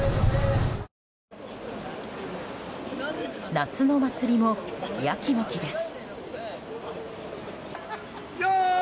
夏の祭りもヤキモキです。